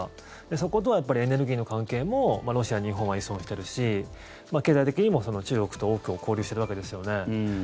そことはエネルギーの関係もロシアに日本は依存をしているし経済的にも中国とか多くと交流してるわけですね。